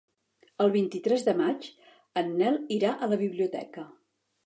El vint-i-tres de maig en Nel irà a la biblioteca.